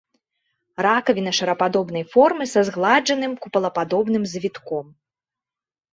Ракавіна шарападобнай формы са згладжаным купалападобным завітком.